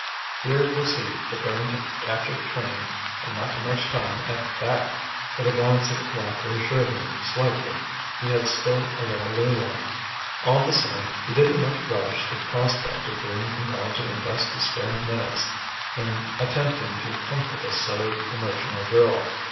Here was he preparing to catch a train, and not too much time at that.... But a glance at the clock reassured him slightly; he had still a little leeway. All the same, he didn't much relish the prospect of being compelled to invest his spare minutes in attempting to comfort a silly, emotional girl.